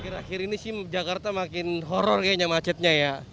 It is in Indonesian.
akhir akhir ini sih jakarta makin horror kayaknya macetnya ya